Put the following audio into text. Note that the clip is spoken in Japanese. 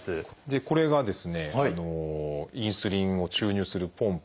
これがですねインスリンを注入するポンプ。